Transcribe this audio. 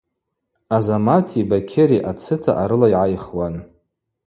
Азамати Бакьыри ацыта арыла йгӏайхуан.